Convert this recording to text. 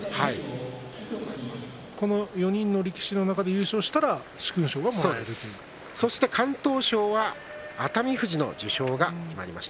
この４人の力士の中で優勝したら殊勲賞が敢闘賞は熱海富士の受賞が決まっています。